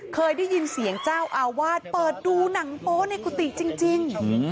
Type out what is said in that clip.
เคยได้ยินเสียงเจ้าอาวาสเปิดดูหนังโป๊ในกุฏิจริง